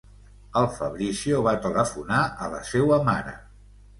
El Fabrizio va telefonar a la seua mare.